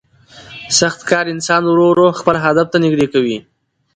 سخت کار انسان ورو ورو خپل هدف ته نږدې کوي